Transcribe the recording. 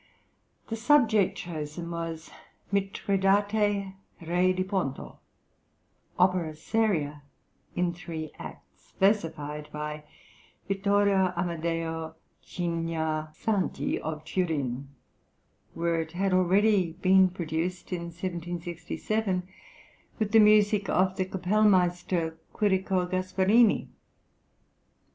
The subject chosen was "Mitridate, Re di Ponto," opera seria in three acts, versified by Vittorio Amadeo Cigna Santi of Turin, where it had already been produced in 1767 with the music of the kapellmeister Quirico Gasparini.